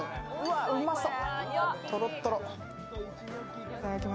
うまそう。